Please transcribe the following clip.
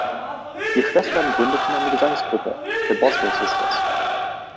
Die Schwestern gründeten eine Gesangsgruppe, The Boswell Sisters.